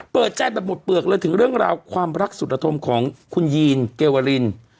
เปิดใจแบบหมดเปลือกเลยถึงเรื่องราวความรักสุดระทมของคุณยีนเกวริน